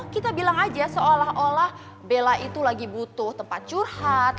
kita bilang aja seolah olah bella itu lagi butuh tempat curhat